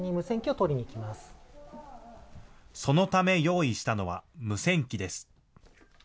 そのため用意したのは無線機です。